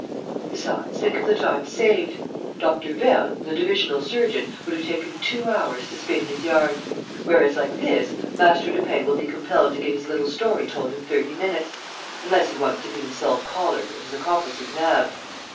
Besides, think of the time saved! Dr. Vernes, the divisional surgeon, would have taken two hours to spin his yarn! Whereas, like this, Master Lupin will be compelled to get his little story told in thirty minutes ... unless he wants to get himself collared and his accomplices nabbed.